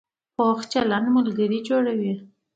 پوخ چلند ملګري جوړوي